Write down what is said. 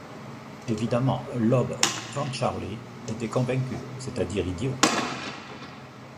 Évidemment lord Clancharlie était convaincu, c’est-à-dire idiot.